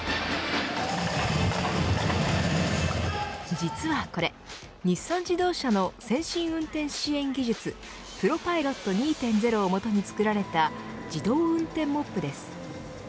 実はこれ、日産自動車の先進運転支援技術プロパイロット２．０をもとに作られた自動運転モップです。